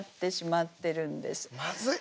まずい！